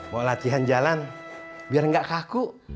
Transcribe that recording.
mau latihan jalan biar gak kaku